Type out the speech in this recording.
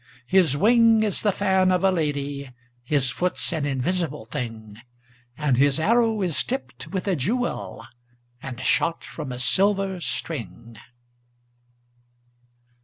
His wing is the fan of a lady, His foot's an invisible thing, And his arrow is tipped with a jewel, And shot from a silver string.